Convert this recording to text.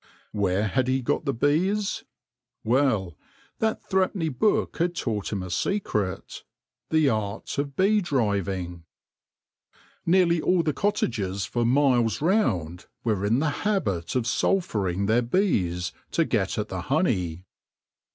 Where had he got the bees ? Well, that threepenny book had taught him a secret — the art of bee driving. Nearly all the cottagers for miles round were in the habit of sulphuring their bees to get at the honey.